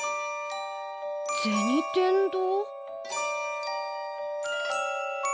銭天堂？